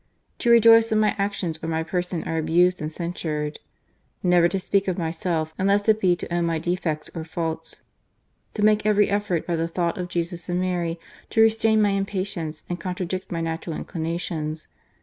GARCIA UOPENO To rejoice when m}' a.ctions or my person are abused and censured, " Never to speak of myself, unless it be to own my defects or faults, " To make every effort, by the thought of Jesus and Mary, to restrain my impatience and contradict my natural inclinations.